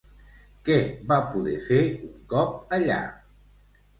Què va poder fer un cop allà?